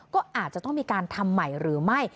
ก็อาจจะต้องมีการทำใหม่หรือไม่